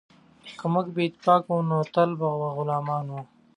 که موږ بې اتفاقه وو نو تل به غلامان وو.